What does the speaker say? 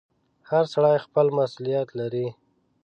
• هر سړی خپل مسؤلیت لري.